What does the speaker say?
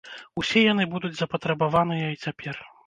Усе яны будуць запатрабаваныя і цяпер.